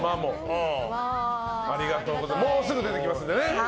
もうすぐ出てきますんでね。